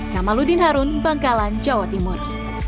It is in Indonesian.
kamaludin harun bangkalan jawa timur